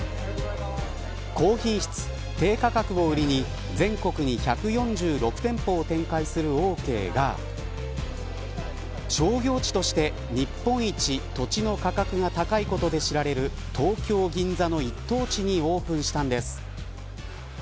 高品質・低価格を売りに全国に１４６店舗を展開するオーケーが商業地として日本一土地の価格が高いことで知られる東京・銀座の一等地にオープンしたんです。